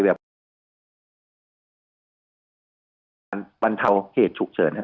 เป็นการบรรเทาเหตุฉุกเชิญ